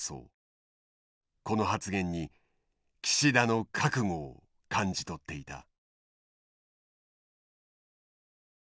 この発言に岸田の覚悟を感じ取っていた。